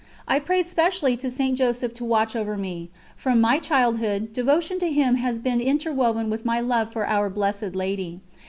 I prayed specially to St. Joseph to watch over me; from my childhood, devotion to him has been interwoven with my love for our Blessed Lady.